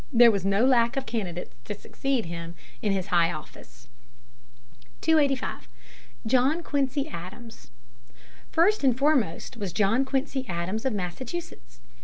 There was no lack of candidates to succeed him in his high office. [Sidenote: J.Q. Adams] 285. John Quincy Adams. First and foremost was John Quincy Adams of Massachusetts.